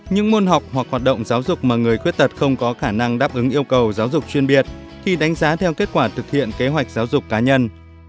những môn học hoặc hoạt động giáo dục mà người khuyết tật không có khả năng đáp ứng yêu cầu giáo dục chuyên biệt thì đánh giá theo kết quả thực hiện kế hoạch giáo dục cá nhân